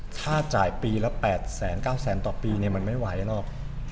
ค่าจ่ายปีละ๘๙แสนต่อปีมันไม่ไหวหรอก